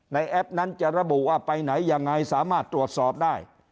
แอปนั้นจะระบุว่าไปไหนยังไงสามารถตรวจสอบได้